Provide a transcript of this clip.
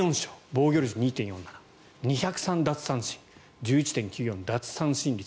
防御率２．４７、２０３奪三振１１．９４奪、三振率。